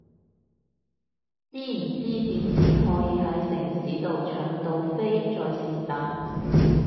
知唔知點先可以係城市到搶到飛在線等？